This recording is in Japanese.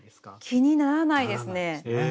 気にならないですね。